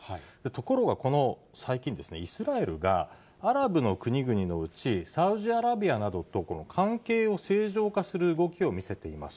ところが最近、イスラエルが、アラブの国々のうち、サウジアラビアなどと関係を正常化する動きを見せています。